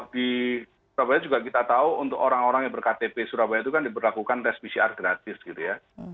di surabaya juga kita tahu untuk orang orang yang berktp surabaya itu kan diberlakukan tes pcr gratis gitu ya